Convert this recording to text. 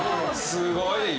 すごい。